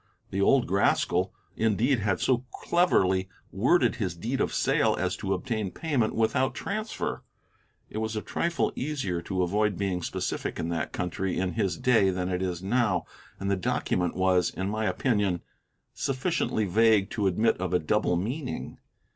The old rascal, indeed, had so cleverly worded his deed of sale as to obtain payment without transfer. It was a trifle easier to avoid being specific in that country in his day than it is now, and the document was, in my opinion, sufficiently vague to admit of a double meaning.